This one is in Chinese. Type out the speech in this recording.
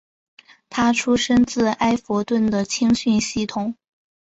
他出身自埃弗顿的青训系统。